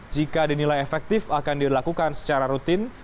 jika dinilai efektif akan dilakukan secara rutin